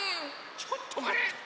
ちょっとまって！